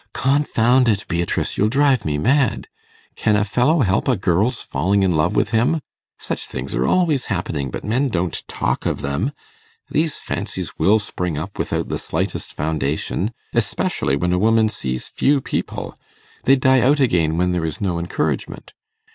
'Confound it, Beatrice! you'll drive me mad. Can a fellow help a girl's falling in love with him? Such things are always happening, but men don't talk of them. These fancies will spring up without the slightest foundation, especially when a woman sees few people; they die out again when there is no encouragement.